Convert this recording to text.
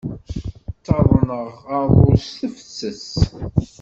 Ttaḍneɣ aḍu s tefses.